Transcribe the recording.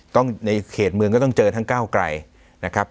ในเขตเมืองก็ต้องเจอทั้งก้าวไกลนะครับ